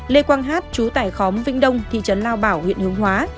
lê quang hát chú tải khóm vĩnh đông thị trấn lao bảo huyện hướng hóa